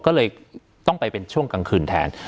ก็เลยต้องไปเป็นช่วงกลางคืนแทน